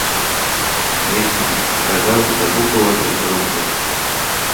Гетьман наказав закопувати трупи.